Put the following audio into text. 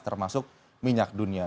termasuk minyak dunia